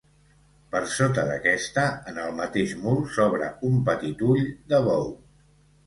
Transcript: Per sota d'aquesta, en el mateix mur, s'obre un petit ull de bou.